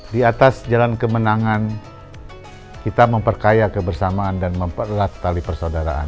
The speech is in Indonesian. di atas jalan kemenangan kita memperkaya kebersamaan dan mempererat tali persaudaraan